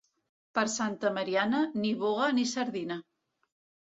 Per Santa Mariana, ni boga ni sardina.